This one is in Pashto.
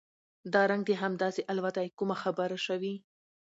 دا رنګ د هم داسې الوتى کومه خبره شوې؟